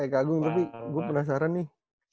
eh kagung tapi gue penasaran nih